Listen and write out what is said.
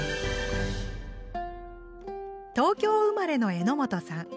東京生まれの榎本さん。